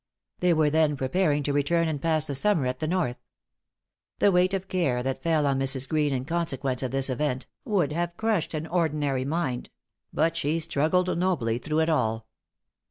They were then preparing to return and pass the summer at the North. The weight of care that fell on Mrs. Greene in consequence of this event, would have crushed an ordinary mind; but she struggled nobly through it all.